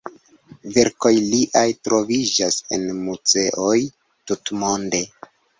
Verkoj liaj troviĝas en muzeoj tutmonde.